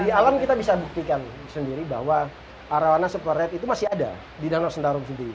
di alam kita bisa buktikan sendiri bahwa arowana super red itu masih ada di danau sentarum sendiri